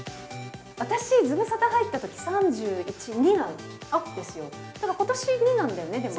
私、ズムサタ入ったとき、３１、２なんですよ。